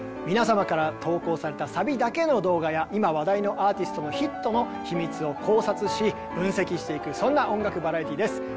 皆様から投稿されたサビだけの動画や今話題のアーティストのヒットの秘密を考察し分析していくそんな音楽バラエティです。